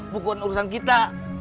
bukan urusan kita